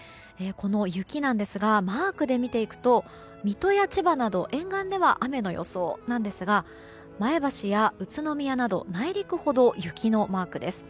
この雪なんですがマークで見ていくと水戸や千葉など沿岸では雨の予想なんですが前橋や宇都宮など内陸ほど雪のマークです。